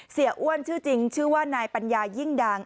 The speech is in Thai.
อ้วนชื่อจริงชื่อว่านายปัญญายิ่งดัง